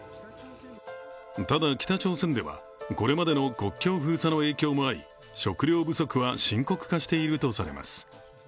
ただ、北朝鮮ではこれまでの国境封鎖の影響もあり、食糧不足は深刻化しているとされます。